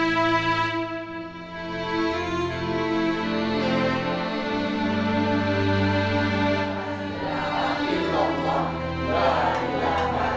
bapak baik controlling tuan pria